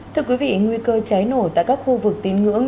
thưa quý vị nguy cơ cháy nổ tại các khu vực tín ngưỡng